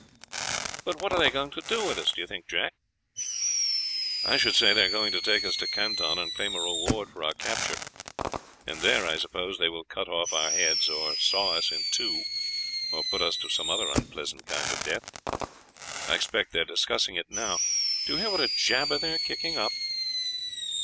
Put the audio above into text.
"But what are they going to do with us, do you think, Jack?" "I should say they are going to take us to Canton and claim a reward for our capture, and there I suppose they will cut off our heads or saw us in two, or put us to some other unpleasant kind of death. I expect they are discussing it now; do you hear what a jabber they are kicking up?"